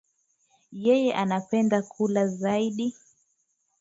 Yeye anapenda kulala zaidi.